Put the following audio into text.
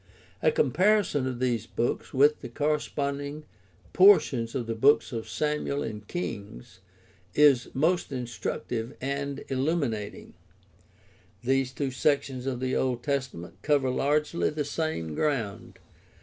A comparison of these books with the corre sponding portions of the Books of Samuel and Kings is most instructive and illuminating. These two sections of the Old Testament cover largely the same ground.